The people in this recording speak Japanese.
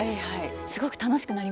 すごく楽しくなりました。